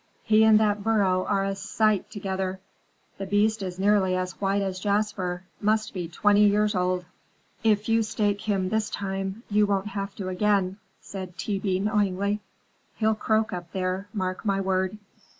He and that burro are a sight together. The beast is nearly as white as Jasper; must be twenty years old." "If you stake him this time, you won't have to again," said T. B. knowingly. "He'll croak up there, mark my word.